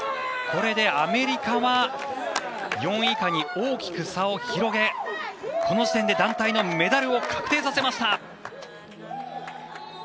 これでアメリカは４位以下に大きく差を広げこの時点で団体のメダルを確定させました。